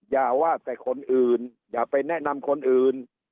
อย่าว่าแต่คนอื่นอย่าไปแนะนำคนอื่น